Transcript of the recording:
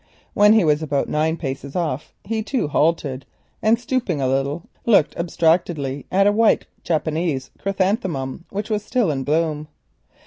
When he was about nine paces off he too halted and, stooping a little, looked abstractedly at a white Japanese chrysanthemum which was still in bloom.